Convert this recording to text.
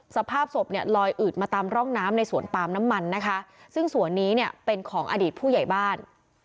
สภาพศพเนี่ยลอยอืดมาตามร่องน้ำในสวนปาล์มน้ำมันนะคะซึ่งสวนนี้เนี่ยเป็นของอดีตผู้ใหญ่บ้าน